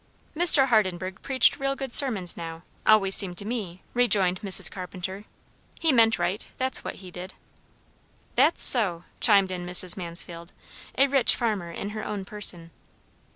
"Mr. Hardenburgh preached real good sermons, now, always seemed to me," rejoined Mrs. Carpenter. "He meant right; that's what he did." "That's so!" chimed in Mrs. Mansfield, a rich farmer in her own person.